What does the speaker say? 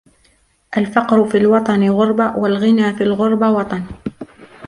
الفقر في الوطن غربة والغنى في الغربة وطن.